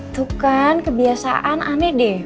tuh kan kebiasaan aneh deh